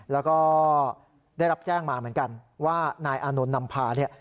แล้วก็ได้รับแจ้งมาเหมือนกันว่านายอานนท์นำพาเนี่ย